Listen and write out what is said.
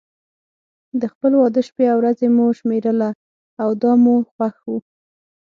د خپل واده شپې او ورځې مو شمېرله او دا مو خوښ و.